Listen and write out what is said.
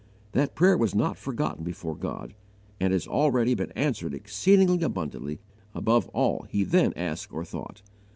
That prayer was not forgotten before God, and has already been answered exceeding abundantly above all he then asked or thought.